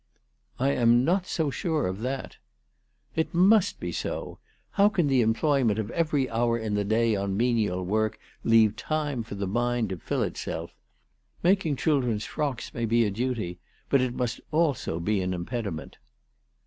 " I am not so sure of that/' " It must be so. How can the employment of every hour in the day on menial work leave time for the mind to fill itself ? Making children's frocks may be a duty, but it must also be an impediment."